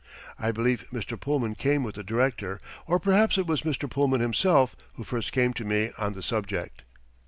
I believe Mr. Pullman came with the director, or perhaps it was Mr. Pullman himself who first came to me on the subject.